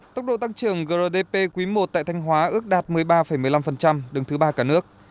tốc độ tăng trưởng grdp quý i tại thanh hóa ước đạt một mươi ba một mươi năm đứng thứ ba cả nước